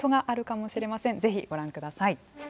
是非ご覧ください。